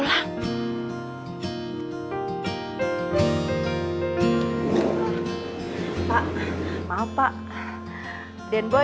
kita makan untuk si boy